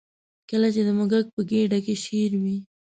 کله چې د موږک په ګېډه کې شېره وي.